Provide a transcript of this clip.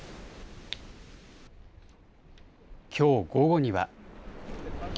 きょう午後には。